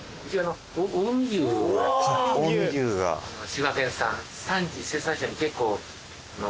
滋賀県産。